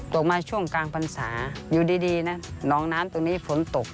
ตกมาช่วงกลางพรรษาอยู่ดีนะหนองน้ำตรงนี้ฝนตก